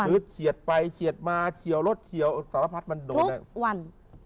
อื้ดเฉียดไปเฉียดมาเฉียวรถเชียวสารพัสม์มันโดนวั่น